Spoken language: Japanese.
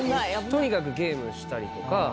とにかくゲームしたりとか。